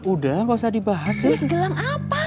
udah gak usah dibahas ya